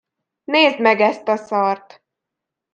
Nézd meg ezt a szart!